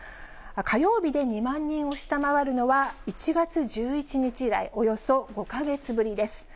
火曜日で２万人を下回るのは１月１１日以来、およそ５か月ぶりです。